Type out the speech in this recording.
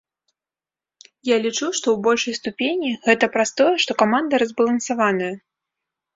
Я лічу, што ў большай ступені гэта праз тое, што каманда разбалансаваная.